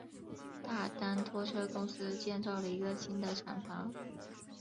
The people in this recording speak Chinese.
大丹拖车公司建造了一个新的厂房。